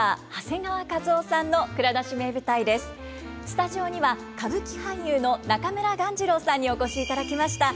スタジオには歌舞伎俳優の中村鴈治郎さんにお越しいただきました。